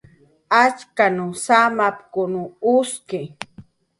"Achkan samkuchp""mn uski"